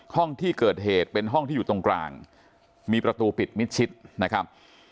ห้องที่เกิดเหตุเป็นห้องที่อยู่ตรงกลางมีประตูปิดมิดชิดนะครับ